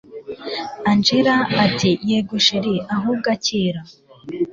angella ati yego chr ahubwo akira